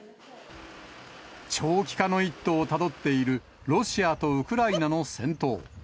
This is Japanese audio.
長期化の一途をたどっているロシアとウクライナの戦闘。